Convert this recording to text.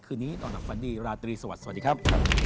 คืนนี้ตอนหลับฝันดีราตรีสวัสดีครับ